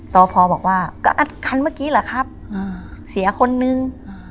ปพบอกว่าก็อัดคันเมื่อกี้เหรอครับเสียคนนึง